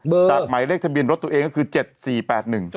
เบอร์แต่หมายเลขทะเบียนรถตัวเองก็คือเจ็ดสี่แปดหนึ่ง